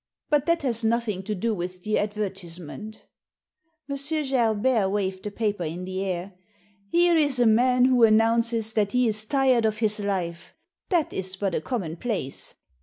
But that has noth ing to do with the advertisement" M. Gerbert waved the paper in the air. * Here is a man who announces that he is tired of his life — ^that is but a commonplace.